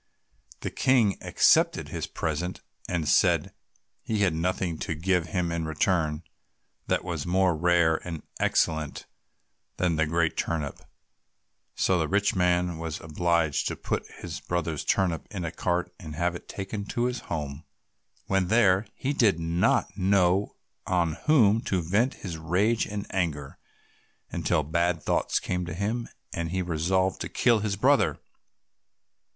The King accepted his present, and said he had nothing to give him in return that was more rare and excellent than the great turnip. So the rich man was obliged to put his brother's turnip in a cart and have it taken to his home. When there he did not know on whom to vent his rage and anger, until bad thoughts came to him, and he resolved to kill his brother.